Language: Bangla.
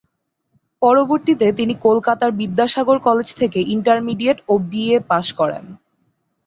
পরবর্তীতে তিনি কলকাতার বিদ্যাসাগর কলেজ থেকে ইন্টারমিডিয়েট ও বিএ পাস করেন।